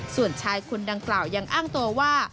ส่วนชายคนดังกล่าวยังอ้างตัวว่า